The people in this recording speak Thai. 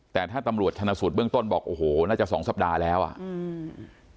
แต่ถ้าตำรวจชนะสูตรเบื้องต้นบอกโอ้โหน่าจะสองสัปดาห์แล้วอ่ะอืม